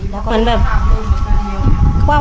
แล้วก็มันแบบ